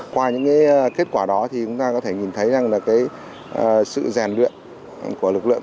qua những kết quả đó chúng ta có thể nhìn thấy rằng sự rèn luyện của lực lượng